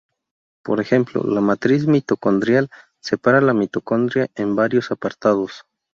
Por ejemplo, la matriz mitocondrial separa la mitocondria en varios apartados.